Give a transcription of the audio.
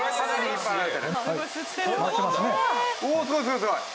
おおすごいすごいすごい。